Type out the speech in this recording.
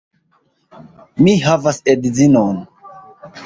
Mi havas edzinon.